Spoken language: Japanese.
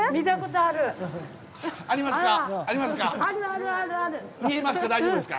ありますか？